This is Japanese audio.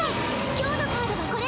今日のカードはこれ！